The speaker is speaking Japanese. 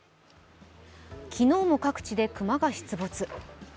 昨日も各地で熊が出没。